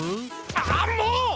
あもう！